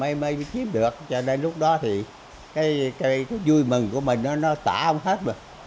mấy mấy mới chiếm được cho nên lúc đó thì cái vui mừng của mình nó tỏa không hết